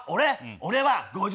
俺は５０！